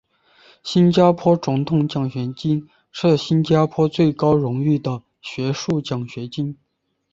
新加坡总统奖学金是新加坡最高荣誉的学术奖学金。